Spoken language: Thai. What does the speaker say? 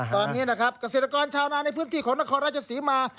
ตอนนี้นะครับเกษตรกรชาวนาในพื้นที่ของนครราชศรีมา